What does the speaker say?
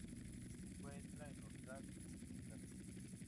Se encuentra en los Ghats occidentales.